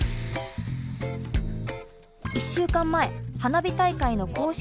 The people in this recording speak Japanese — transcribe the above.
１週間前花火大会の公式